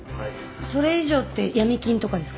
それ以上って闇金とかですか？